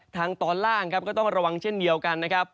ทางตอนล่างครับก็ต้องระวังเช่นเดียวกันนะครับ